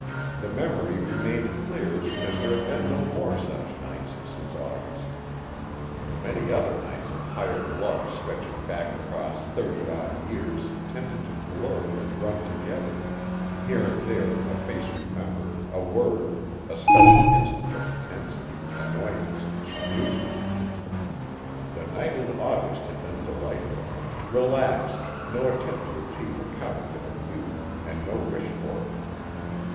The memory remained clear because there had been no more such nights since August; the many other nights of hired love stretching back across thirty odd years tended to blur and run together here and there a face remembered, a word, a special instant of intensity, annoyance, amusement. The night in August had been delightful; relaxed, no attempt to achieve a counterfeit of youth, and no wish for it.